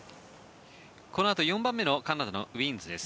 このあと４番目のカナダのウィーンズです。